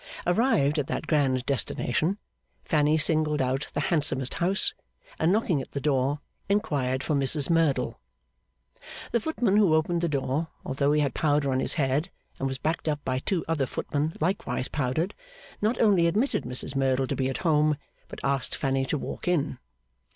Arrived at that grand destination, Fanny singled out the handsomest house, and knocking at the door, inquired for Mrs Merdle. The footman who opened the door, although he had powder on his head and was backed up by two other footmen likewise powdered, not only admitted Mrs Merdle to be at home, but asked Fanny to walk in.